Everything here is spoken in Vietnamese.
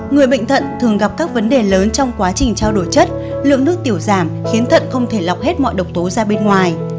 người bệnh thận thường gặp các vấn đề lớn trong quá trình trao đổi chất lượng nước tiểu giảm khiến thận không thể lọc hết mọi độc tố ra bên ngoài